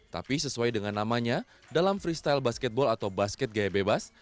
tapi sesuai dengan namanya dalam freestyle basketball atau basket gaya bebas